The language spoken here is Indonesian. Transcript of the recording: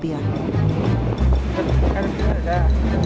mereka mengalami kematian